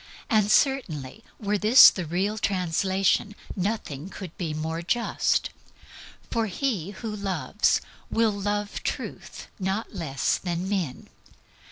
And, certainly, were this the real translation, nothing could be more just; for he who loves will love Truth not less than men.